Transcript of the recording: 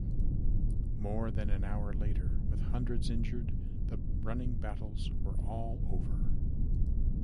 More than an hour later, with hundreds injured, the running battles were all over.